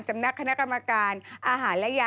สำนักคณะกรรมการอาหารและยากร่าวว่า